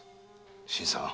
新さん。